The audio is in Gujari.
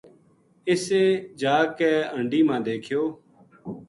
اِسیں جا کے ہنڈی ما دیکھیو